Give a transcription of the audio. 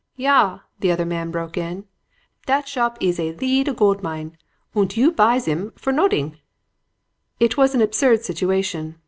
"'Ja!' the other man broke in, 'dat shop is a leedle goldmine; und you buys 'im for noding.' "It was an absurd situation.